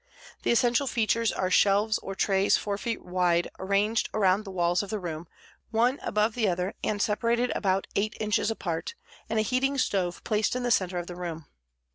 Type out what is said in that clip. The essential features are shelves or trays 4 feet wide arranged around the walls of the room, one above the other and separated about 8 inches apart, and a heating stove placed in the center of the room.